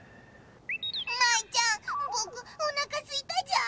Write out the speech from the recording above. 舞ちゃんぼくおなかすいたじゃー。